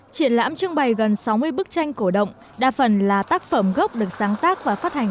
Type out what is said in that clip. triển lãm trưng bày gần sáu mươi bức tranh cổ động đa phần là tác phẩm gốc được sáng tác và phát hành